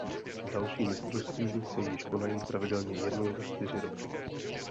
Další mistrovství se již konají pravidelně jednou za čtyři roky.